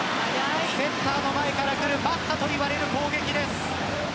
セッターの前から来るマッハといわれる攻撃です。